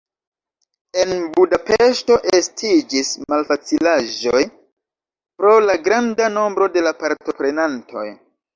En Budapeŝto estiĝis malfacilaĵoj pro la granda nombro de la partoprenantoj.